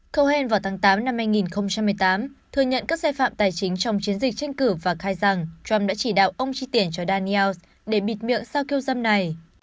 cohen vào tháng tám năm hai nghìn một mươi tám thừa nhận các sai phạm tài chính trong chiến dịch tranh cử và khai rằng trump đã chỉ đạo ông chi tiền cho dannels để bịt miệng sao kiêu dâm này